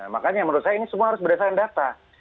makanya menurut saya ini semua harus berdasarkan data